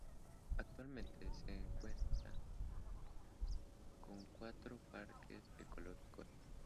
Actualmente se cuenta con cuatro parques ecológicos.